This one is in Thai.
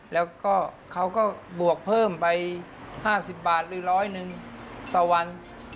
แล้วก็เขาก็บวกเพิ่มไป๕๐บาทหรือร้อยหนึ่งต่อวัน